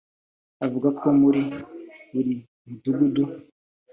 Avuga ko muri buri mudugudu